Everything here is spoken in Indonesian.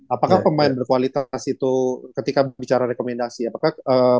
apakah pemain berkualitas itu ketika bicara rekomendasi apakah